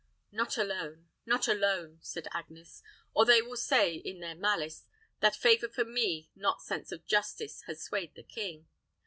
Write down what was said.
"Not alone, not alone," said Agnes, "or they will say, in their malice, that favor for me, not sense of justice, has swayed the king.